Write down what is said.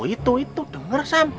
itu itu denger sam